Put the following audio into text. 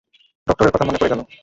ডক্টরের কথা মন পড়ে গেলো!